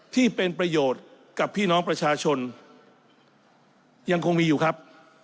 ที่เป็นประโยชน์กับพี่น้องประชาชนยังคงมีอยู่ครับ